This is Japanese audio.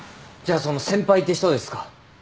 じゃあその先輩って人ですか？